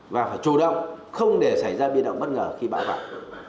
và phải chủ động không để xảy ra biên động bất ngờ khi bão bão